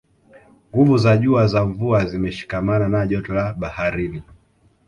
nguvu za juu za mvua zimeshikamana na joto la baharini